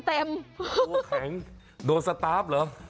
ตัวแข็งโดนสตาร์ฟเหรอ